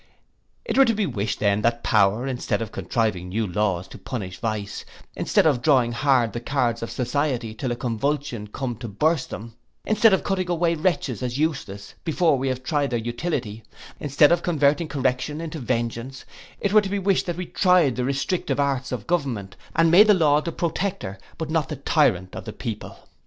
It were to be wished then that power, instead of contriving new laws to punish vice, instead of drawing hard the cords of society till a convulsion come to burst them, instead of cutting away wretches as useless, before we have tried their utility, instead of converting correction into vengeance, it were to be wished that we tried the restrictive arts of government, and made law the protector, but not the tyrant of the people.